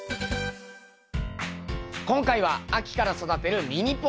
今回は秋から育てるミニポタジェ。